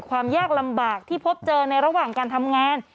ความยากลำบากที่พบเจอในระหว่างการทำงาน